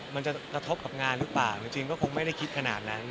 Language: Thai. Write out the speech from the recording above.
มันจะกระทบกับงานหรือเปล่าจริงก็คงไม่ได้คิดขนาดนั้น